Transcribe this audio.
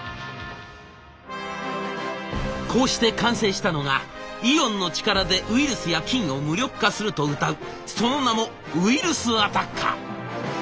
こうして完成したのがイオンの力でウイルスや菌を無力化するとうたうその名も「ウィルスアタッカー」。